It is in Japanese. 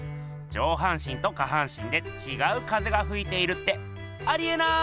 上半身と下半身でちがう風がふいているってありえない！